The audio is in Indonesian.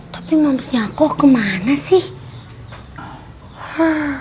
tapi momsnya aku kemana sih